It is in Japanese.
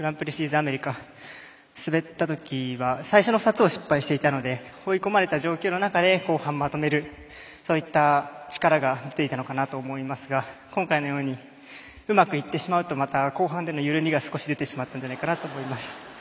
アメリカを滑ったときは最初の２つを失敗していたので追い込まれた状況の中で後半まとめる、そういった力が出ていたのかなと思いますが今回のようにうまくいってしまうとまた、後半での緩みがまた出てしまったんじゃないかと思います。